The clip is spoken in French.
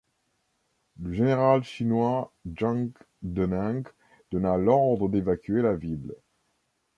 Le général chinois Zhang De-neng donna l'ordre d'évacuer la ville.